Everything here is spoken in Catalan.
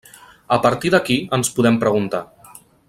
A partir d'aquí ens podem preguntar: